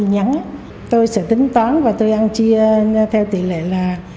nhắn tôi sẽ tính toán và tôi ăn chia theo tỷ lệ là ba mươi